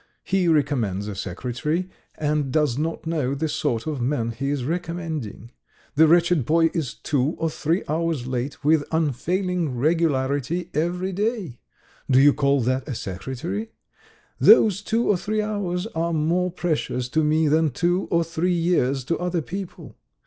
He recommends a secretary, and does not know the sort of man he is recommending! The wretched boy is two or three hours late with unfailing regularity every day. Do you call that a secretary? Those two or three hours are more precious to me than two or three years to other people.